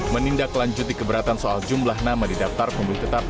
menindaklanjuti keberatan soal jumlah nama di daftar pemilih tetap